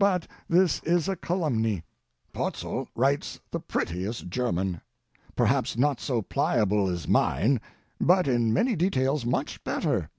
But this is a calumny; Potzl writes the prettiest German. Perhaps not so pliable as the mine, but in many details much better.